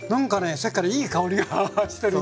さっきからいい香りがしてるんですけども。